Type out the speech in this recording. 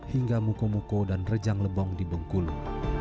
hingga mukomuko dan rejang lebong di bengkulu